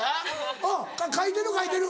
うん書いてる書いてる。